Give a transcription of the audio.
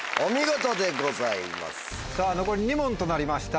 さぁ残り２問となりました